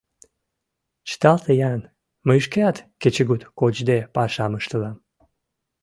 — Чыталте-ян, мый шкеат кечыгут кочде пашам ыштылам.